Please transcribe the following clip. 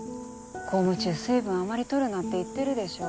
公務中水分あまり取るなって言ってるでしょ。